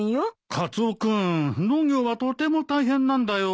カツオ君農業はとても大変なんだよ。